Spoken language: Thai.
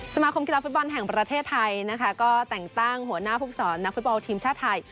สมาคมกีฬาฟุตบอลแห่งประเทศไทยนะคะก็แต่งตั้งหัวหน้าภูมิสอนนักฟุตบอลทีมชาติไทย